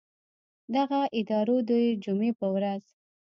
دغه ادارو د جمعې په ورځ